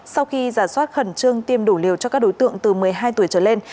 sau khi giả soát khẩn trương tiêm đủ liều cho các đối tượng từ một mươi hai tuổi trở lên